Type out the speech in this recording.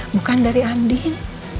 bukan dari andin